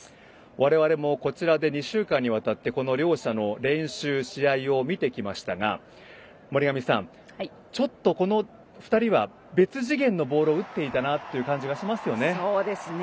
我々もこちらで２週間にわたってこの両者の練習試合を見てきましたが森上さん、この２人は別次元のボールを打っていたなという感じがしますよね。